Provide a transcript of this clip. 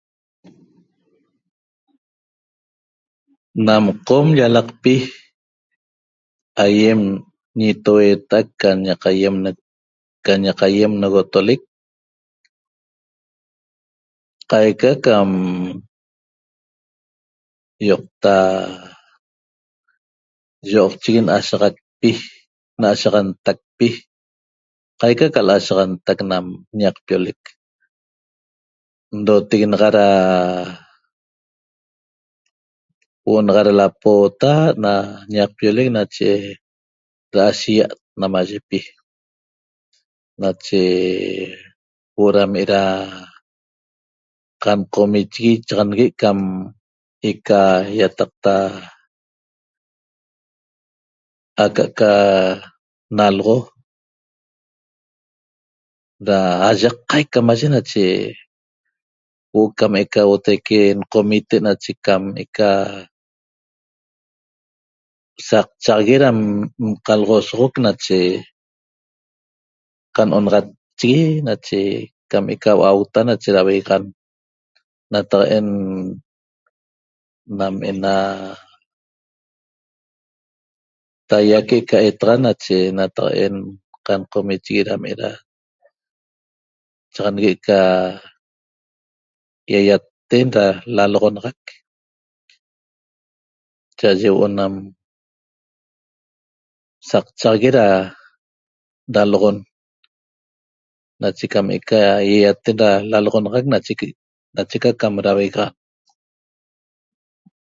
Nam qom llalaqpi aiem ñetoxoteaq aiem calye ieneguetoleq caica ca yoqchigue lasaxantaqpi caica na lashiaxanteq ndoteq da naxa huoo da lapota ñaqpioleq che dacia mayepi nache huoo da me da cam comichogue ichaxan eca iataqta acaheca nloxo da yacaic namaye huoo cometaque comi nacheca sactahague da nloxon